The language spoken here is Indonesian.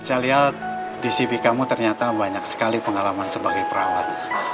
saya lihat di cv kamu ternyata banyak sekali pengalaman sebagai perawat